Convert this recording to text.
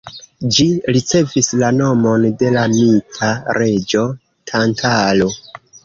Ĝi ricevis la nomon de la mita reĝo Tantalo.